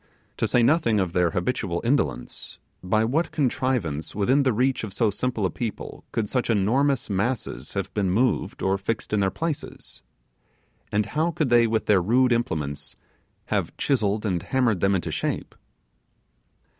To say nothing of their habitual indolence, by what contrivance within the reach of so simple a people could such enormous masses have been moved or fixed in their places? and how could they with their rude implements have chiselled and hammered them into shape?